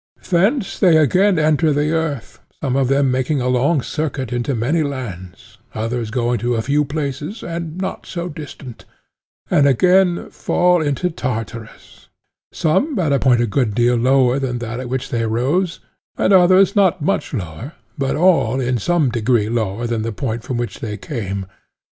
Thence they again enter the earth, some of them making a long circuit into many lands, others going to a few places and not so distant; and again fall into Tartarus, some at a point a good deal lower than that at which they rose, and others not much lower, but all in some degree lower than the point from which they came.